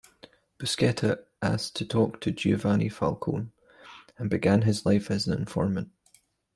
Buscetta asked to talk to Giovanni Falcone and began his life as an informant.